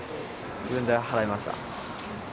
自分で払いました。